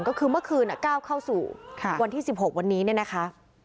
ก็คือเมื่อคืนก้าวเข้าสู่วันที่๑๖วันนี้เนี่ยนะคะ